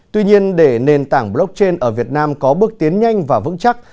tuy nhiên để nền tảng blockchain ở việt nam có bước tiến nhanh và vững chắc